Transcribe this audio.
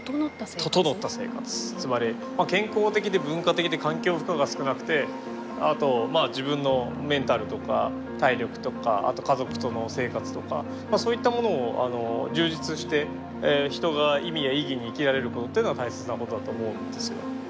つまり健康的で文化的で環境負荷が少なくてあと自分のメンタルとか体力とかあと家族との生活とかそういったものを充実して人が意味や意義に生きられることっていうのが大切なことだと思うんです。